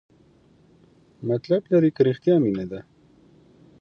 مطلب لري که رښتیا مینه ده؟